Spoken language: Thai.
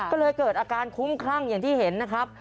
ก็เลยเกิดอาการคุ้มคลั่งอย่างที่เห็นนะครับ